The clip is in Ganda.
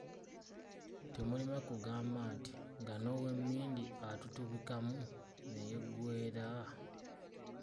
Temulema kugamba nti, nga n’owemmindi atutubikamu ne yeggweera.